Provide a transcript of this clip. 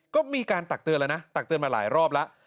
ก็มีการตักเตือนแล้วนะตักเตือนมาหลายรอบแล้ว